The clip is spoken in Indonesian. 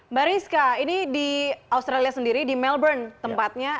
mbak rizka ini di australia sendiri di melbourne tempatnya